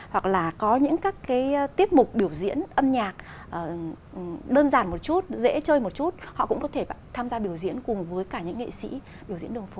hoặc là có những các cái tiết mục biểu diễn âm nhạc đơn giản một chút dễ chơi một chút họ cũng có thể tham gia biểu diễn cùng với cả những nghệ sĩ biểu diễn đường phố